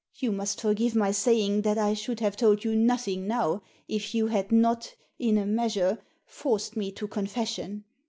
You must forgive my saying that I should have told you nothing now, if you had not, in a measure, forced me to confession.